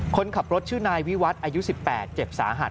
คนขับรถชื่อนายวิวัฒน์อายุ๑๘เจ็บสาหัส